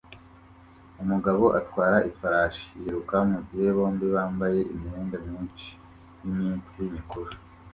Umugabo atwara ifarashi yiruka mugihe bombi bambaye imyenda myinshi yiminsi mikuru